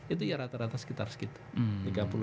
itu ya rata rata sekitar segitu